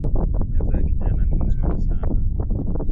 Meza ya kijana ni nzuri sana